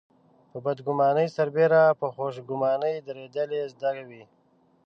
په بدګماني سربېره په خوشګماني درېدل يې زده وي.